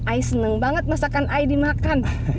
ayah senang banget masakan ayah dimakan